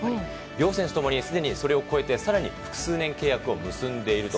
両選手ともそれを超えて更に複数年契約を結んでいます。